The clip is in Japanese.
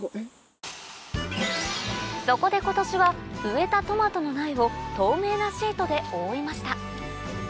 そこで今年は植えたトマトの苗を透明なシートで覆いました